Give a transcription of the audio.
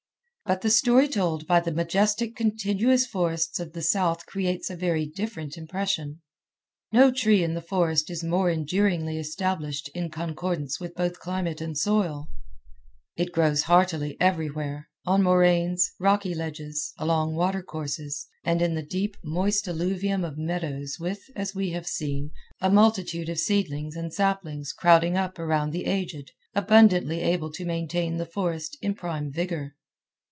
But the story told by the majestic continuous forests of the south creates a very different impression. No tree in the forest is more enduringly established in concordance with both climate and soil. It grows heartily everywhere—on moraines, rocky ledges, along watercourses, and in the deep, moist alluvium of meadows with, as we have seen, a multitude of seedlings and saplings crowding up around the aged, abundantly able to maintain the forest in prime vigor.